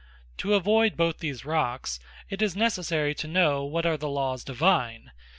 To avoyd both these Rocks, it is necessary to know what are the Lawes Divine.